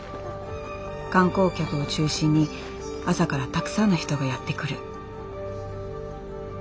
観光客を中心に朝からたくさんの人がやって来る。